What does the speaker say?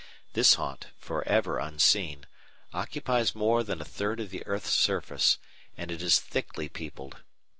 This haunt, forever unseen, occupies more than a third of the earth's surface, and it is thickly peopled.